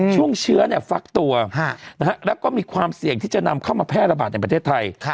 ช่วงเชื้อฟักตัวแล้วก็มีความเสี่ยงที่จะนำเข้ามาแพร่ระบาดในประเทศไทย